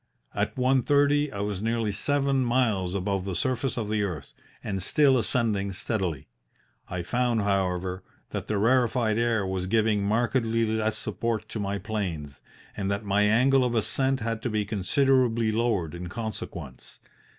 At one thirty I was nearly seven miles above the surface of the earth, and still ascending steadily. I found, however, that the rarefied air was giving markedly less support to my planes, and that my angle of ascent had to be considerably lowered in consequence.